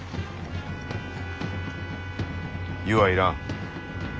湯は要らん。